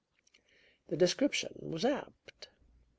The description was apt.